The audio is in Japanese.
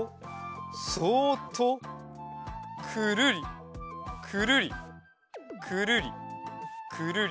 くるりくるりくるりくるり。